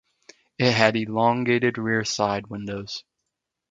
It had elongated rear side windows.